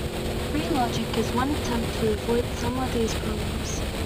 Free logic is one attempt to avoid some of these problems.